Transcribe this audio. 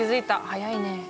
早いね。